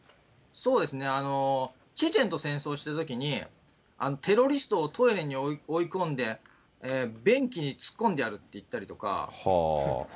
そうですね、チェチェンと戦争していたときに、テロリストをトイレに追い込んで、便器に突っ込んでやるって言ったりとか。